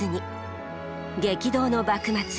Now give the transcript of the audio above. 激動の幕末。